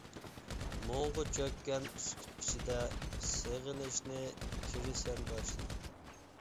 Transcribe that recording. مۇڭغا چۆككەن سۈكۈت ئىچىدە، سېغىنىشنى كىرىسەن باشلاپ.